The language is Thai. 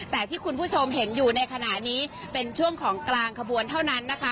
แต่ที่คุณผู้ชมเห็นอยู่ในขณะนี้เป็นช่วงของกลางขบวนเท่านั้นนะคะ